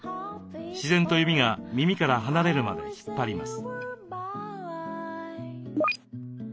自然と指が耳から離れるまで引っ張ります。